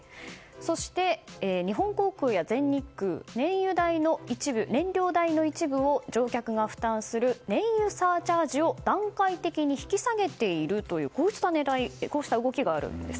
そして、日本航空や全日空燃料代の一部を乗客が負担する燃油サーチャージを段階的に引き下げているというこうした動きがあるんです。